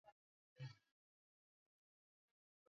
na kukubali kushindwa iwapo upigaji kura utakuwa huru na wa haki